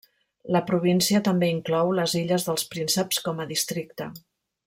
La província també inclou les Illes dels Prínceps com a districte.